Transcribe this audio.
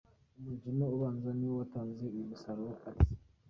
Umukino ubanza niwo watanze uyu musaruro i Addis Ababa.